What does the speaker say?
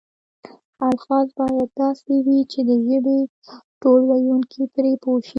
الفاظ باید داسې وي چې د ژبې ټول ویونکي پرې پوه شي.